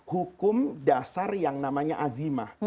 hukum dasar yang namanya azimah